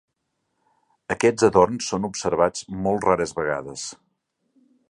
Aquests adorns són observats molt rares vegades.